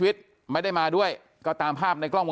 อยู่ดีมาตายแบบเปลือยคาห้องน้ำได้ยังไง